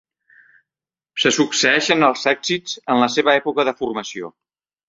Se succeeixen els èxits en la seva època de formació.